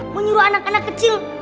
menyuruh anak anak kecil